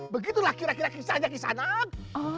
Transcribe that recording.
begitulah kira kira kisahnya kisah anak